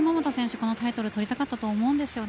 このタイトル取りたかったと思うんですよね。